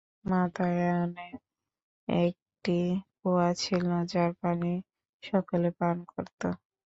মাদায়ানে একটি কূয়া ছিল যার পানি সকলে পান করত।